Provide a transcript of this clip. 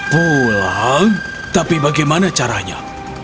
pulang tapi bagaimana caranya